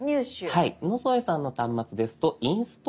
野添さんの端末ですと「インストール」。